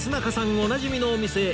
おなじみのお店へ